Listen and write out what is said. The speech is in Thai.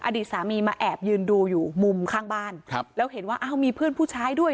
อดีตสามีมาแอบยืนดูอยู่มุมข้างบ้านครับแล้วเห็นว่าอ้าวมีเพื่อนผู้ชายด้วย